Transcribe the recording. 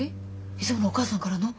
いつものお母さんからの。